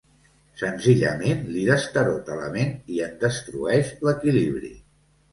Senzillament li destarota la ment i en destrueix l'equilibri.